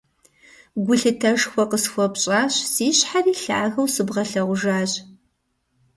Гулъытэшхуэ къысхуэпщӀащ, си щхьэри лъагэу сыбгъэлъэгъужащ.